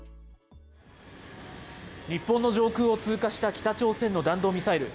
日本の上空を通過した北朝鮮の弾道ミサイル。